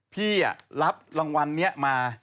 พี่อ่ะรับรางวัลเนี่ยมา